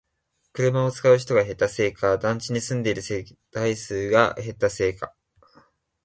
車を使う人が減ったせいか、団地に住んでいる世帯数が減ったせいか